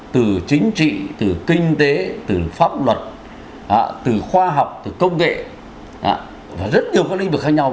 từ chính trị từ kinh tế từ pháp luật từ khoa học từ công nghệ và rất nhiều các lĩnh vực khác nhau